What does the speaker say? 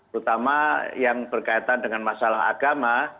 terutama yang berkaitan dengan masalah agama